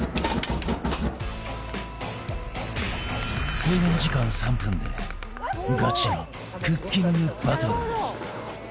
制限時間３分でガチのクッキングバトル